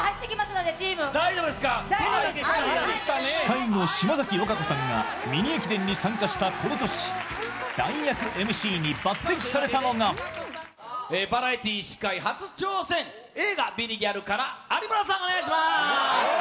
司会の島崎和歌子さんがミニ駅伝に参加したこの年、代役ＭＣに抜てきされたのが映画「ビリギャル」から有村さんお願いします。